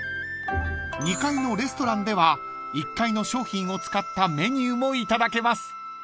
［２階のレストランでは１階の商品を使ったメニューもいただけます］